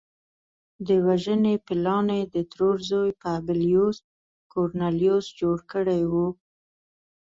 د وژنې پلان یې د ترور زوی پبلیوس کورنلیوس جوړ کړی و